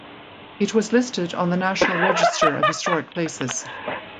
It was listed on the National Register of Historic Places.